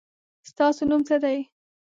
ستاسو نوم څه دی ؟